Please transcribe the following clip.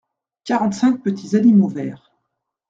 Quarante-cinq petits animaux verts.